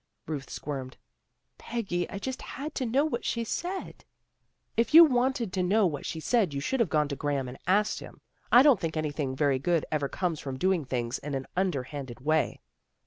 " Ruth squirmed. " Peggy, I just had to know what she said." " If you wanted to know what she said you should have gone to Graham and asked him. I don't think anything very good ever comes from doing things in an underhanded way."